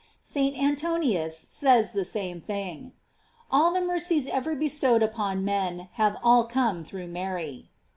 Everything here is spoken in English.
J St. Antoninus says the same thing : All the mercies ever bestowed upon men have all come through Mary.